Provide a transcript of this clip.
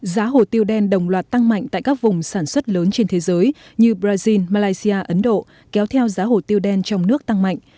giá hồ tiêu đen đồng loạt tăng mạnh tại các vùng sản xuất lớn trên thế giới như brazil malaysia ấn độ kéo theo giá hồ tiêu đen trong nước tăng mạnh